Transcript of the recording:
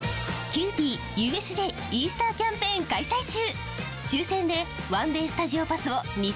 キユーピーＵＳＪイースターキャンペーン開催中！